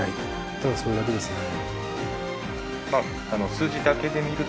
ただそれだけですね。